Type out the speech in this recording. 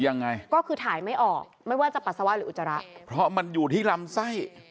ยังไงก็คือถ่ายไม่ออกไม่ว่าจะปัสสาวะหรืออุจจาระเพราะมันอยู่ที่ลำไส้